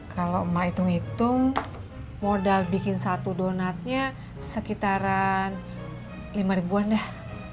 kalau mau hitung hitung modal bikin satu donatnya sekitaran lima ribuan dah